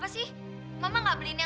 nah kamu bagaimana